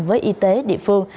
với y tế địa phương